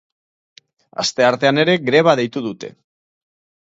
Asteartean ere greba deitu dute.